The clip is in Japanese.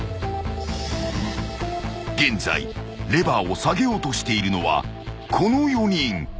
［現在レバーを下げようとしているのはこの４人］